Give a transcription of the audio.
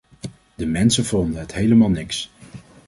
De mensen vonden het helemaal niks.